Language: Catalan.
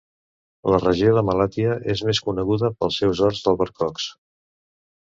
La regió de Malatya és més coneguda pels seus horts d'albercocs.